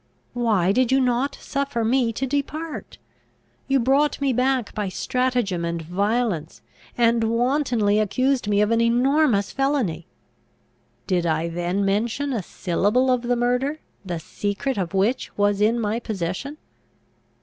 Why did you not suffer me to depart? You brought me back by stratagem and violence, and wantonly accused me of an enormous felony! Did I then mention a syllable of the murder, the secret of which was in my possession?